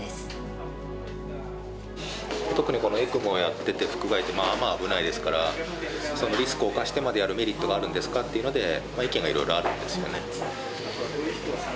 特にこのエクモをやってて腹臥位ってまあまあ危ないですからそのリスクを冒してまでやるメリットがあるんですかっていうので意見がいろいろあるんですよね。